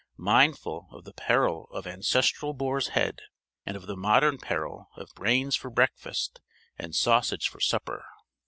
mindful of the peril of ancestral boar's head and of the modern peril of brains for breakfast and sausage for supper.